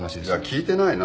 聞いてないな。